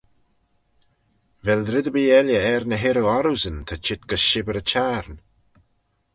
Vel red erbee elley er ny hirrey orroosyn ta çheet gys shibbyr y çhiarn?